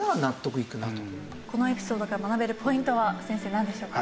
このエピソードから学べるポイントは先生なんでしょうか？